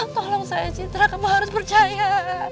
tolong saya citra kamu harus percaya